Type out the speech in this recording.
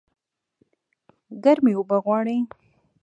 ګرمي اوبه غواړي